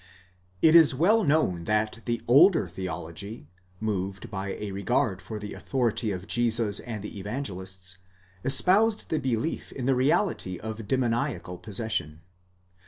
It is well known that the older theology, moved by a regard for the author ity of Jesus and the Evangelists, espoused the belief in the reality of demonia cal possession.